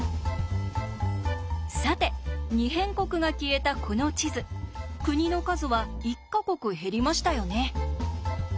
さて「二辺国」が消えたこの地図国の数は１か国減りましたよね。